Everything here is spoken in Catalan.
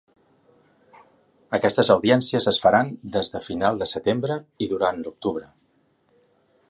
Aquestes audiències es faran des de final de setembre i durant l’octubre.